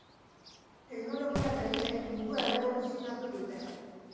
Teknologia berriek mundua erreboluzionatu dute.